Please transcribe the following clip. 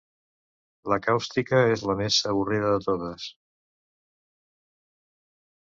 La càustica és la més avorrida de totes.